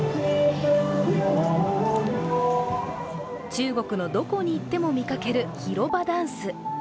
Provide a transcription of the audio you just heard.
中国のどこに行っても見かける広場ダンス。